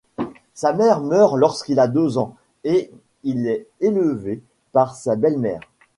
Sa mère meurt lorsqu'il a deux ans et il est élevé par sa belle-mère.